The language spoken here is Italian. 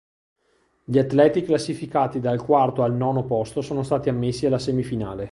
Gli atleti classificati dal quarto al nono posto sono stati ammessi alla semifinale.